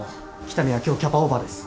北見は今日キャパオーバーです。